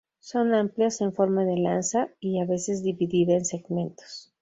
Son amplias en forma de lanza y, a veces dividida en segmentos.